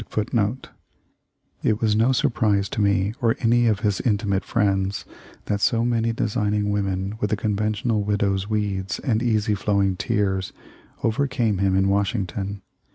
* It was no surprise to me or any of his intimate friends that so many designing women with the conventional widows' weeds and easy flowing tears overcame him in Washington.